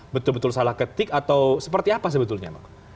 betul betul salah ketik atau seperti apa sebetulnya